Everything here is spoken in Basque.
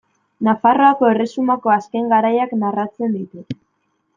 Nafarroako erresumako azken garaiak narratzen ditu.